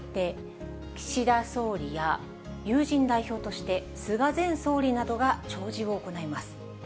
岸田総理や友人代表として菅前総理などが弔辞を行います。